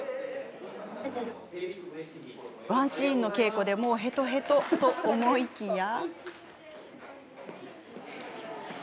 ワンシーンの稽古でもうへとへと、と思いきや。